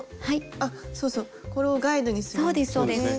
あっそうそうこれをガイドにするんですね。